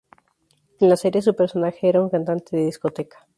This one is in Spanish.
En la serie, su personaje era un cantante de discoteca.